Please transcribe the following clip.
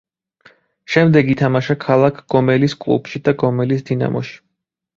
შემდეგ ითამაშა ქალაქ გომელის კლუბში და გომელის დინამოში.